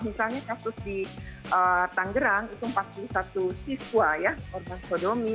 misalnya kasus di tanggerang itu empat puluh satu siswa ya korban sodomi